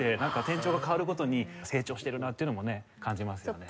転調が変わるごとに成長してるなっていうのもね感じますよね。